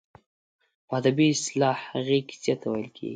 په ادبي اصطلاح هغې کیسې ته ویل کیږي.